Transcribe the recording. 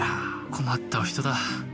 困ったお人だ。